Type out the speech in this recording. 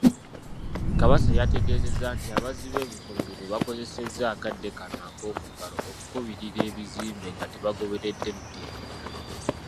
Kabatsi yategeezezza nti abazzi b'ebikolobero bakozesezza akadde kano ak'omuggalo okukubirira ebizimbe nga tebagoberedde mitendera.